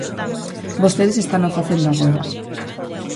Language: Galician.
Vostedes estano facendo agora.